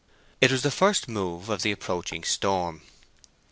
It was the first move of the approaching storm.